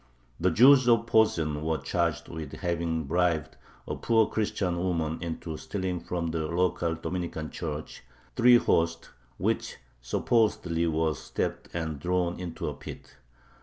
The Jews of Posen were charged with having bribed a poor Christian woman into stealing from the local Dominican church three hosts, which supposedly were stabbed and thrown into a pit.